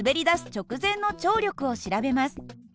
直前の張力を調べます。